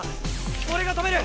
俺が止める！